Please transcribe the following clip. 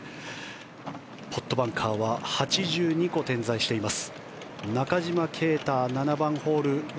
ポットバンカーは８２個、点在しています。